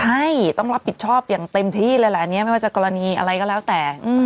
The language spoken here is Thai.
ใช่ต้องรับผิดชอบอย่างเต็มที่เลยแหละอันนี้ไม่ว่าจะกรณีอะไรก็แล้วแต่